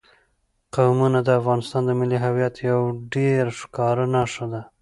قومونه د افغانستان د ملي هویت یوه ډېره ښکاره نښه ده.